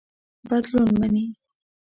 بدلون مني.